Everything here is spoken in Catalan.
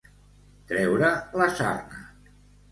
Treure la sarna.